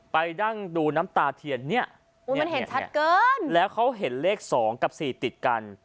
นั่งดูน้ำตาเทียนเนี่ยมันเห็นชัดเกินแล้วเขาเห็นเลข๒กับ๔ติดกัน